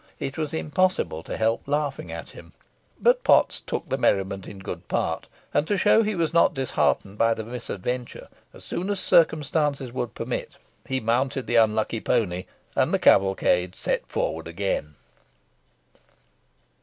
It was impossible to help laughing at him, but Potts took the merriment in good part; and, to show he was not disheartened by the misadventure, as soon as circumstances would permit he mounted the unlucky pony, and the cavalcade set forward again.